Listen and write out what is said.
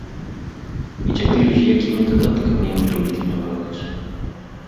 І цяпер з якімі дадаткамі яго толькі не вараць.